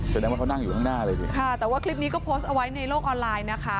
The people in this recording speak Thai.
แสดงว่าเขานั่งอยู่ข้างหน้าเลยสิค่ะแต่ว่าคลิปนี้ก็โพสต์เอาไว้ในโลกออนไลน์นะคะ